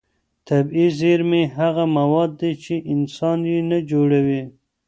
طبیعي زېرمې هغه مواد دي چې انسان یې نه جوړوي.